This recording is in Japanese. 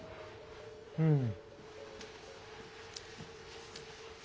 うん。